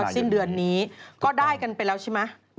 สิ้นเดือนนี้ก็ได้กันไปแล้วใช่ไหม